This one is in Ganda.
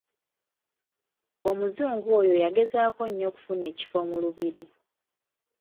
Omuzungu oyo yagezaako nnyo okufuna ekifo mu Lubiri.